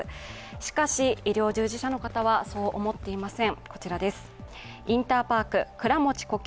しかし、医療従事者の方はそう思っていません。